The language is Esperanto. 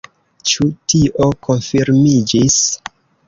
Ĉu tio konfirmiĝis?